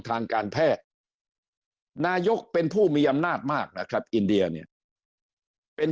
ทางการแพทย์นายกเป็นผู้มีอำนาจมากนะครับอินเดียเนี่ยเป็น